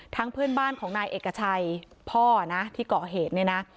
เพื่อนบ้านของนายเอกชัยพ่อนะที่เกาะเหตุเนี่ยนะ